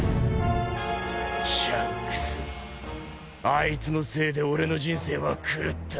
シャンクスあいつのせいで俺の人生は狂った。